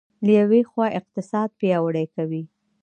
له یوې خوا اقتصاد پیاوړی کوي.